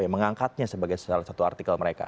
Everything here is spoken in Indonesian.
yang mengangkatnya sebagai salah satu artikel mereka